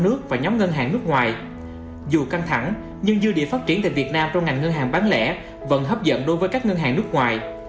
dù căng thẳng nhưng dư địa phát triển tại việt nam trong ngành ngân hàng bán lẻ vẫn hấp dẫn đối với các ngân hàng nước ngoài